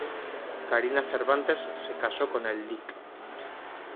Karina Cervantes se casó con el Lic.